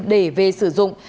để về sử dụng